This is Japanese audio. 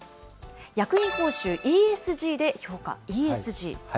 役員報酬、ＥＳＧで評価。